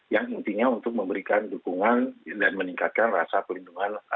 yang intinya untuk memberikan dukungan dan meningkatkan rasa perlindungan